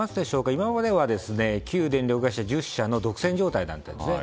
今までは旧電力会社１０社の独占状態だったんですね。